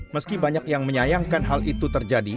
meski banyak yang menyayangkan hal itu terjadi